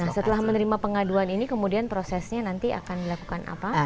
nah setelah menerima pengaduan ini kemudian prosesnya nanti akan dilakukan apa